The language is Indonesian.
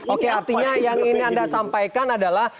oke artinya yang ingin anda sampaikan adalah